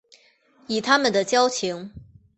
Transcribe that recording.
以他们的交情